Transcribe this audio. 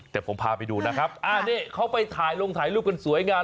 แต่ผมพาไปดูนะครับนี่เขาไปถ่ายลงถ่ายรูปกันสวยงาม